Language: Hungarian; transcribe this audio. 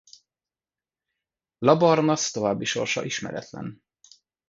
Labarnasz további sorsa ismeretlen.